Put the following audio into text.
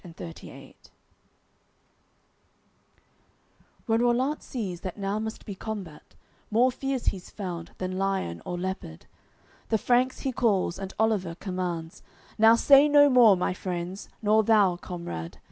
AOI. LXXXVIII When Rollant sees that now must be combat, More fierce he's found than lion or leopard; The Franks he calls, and Oliver commands: "Now say no more, my friends, nor thou, comrade.